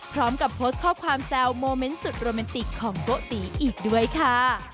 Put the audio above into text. พร้อมกับโพสต์ข้อความแซวโมเมนต์สุดโรแมนติกของโกติอีกด้วยค่ะ